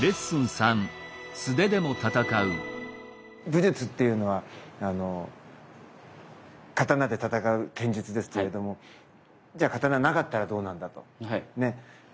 武術っていうのは刀で戦う剣術ですけれどもじゃあ刀なかったらどうなんだと。ね。